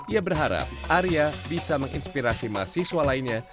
ia berharap arya bisa menginspirasi mahasiswa lainnya